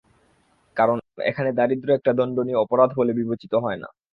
কারণ এখানে দারিদ্র্য একটা দণ্ডনীয় অপরাধ বলে বিবেচিত হয় না।